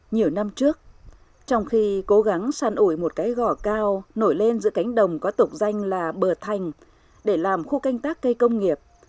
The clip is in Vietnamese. nhiều năm trước trong khi cố gắng săn ủi một cái gỏ cao nổi lên giữa cánh đồng có tục danh là bờ thành để làm khu canh tác cây công nghiệp